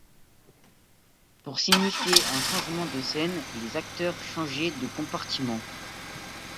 Pour signifier un changement de scène, les acteurs changeaient de compartiment.